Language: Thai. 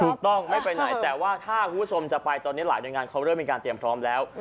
ถูกต้องไม่ไปไหนแต่ว่าถ้าคุณผู้ชมจะไปตอนนี้หลายหน่วยงานเขาเริ่มมีการเตรียมพร้อมแล้ว